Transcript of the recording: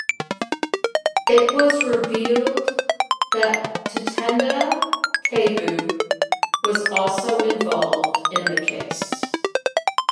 It was revealed that Tatenda Taibu was also involved in the case.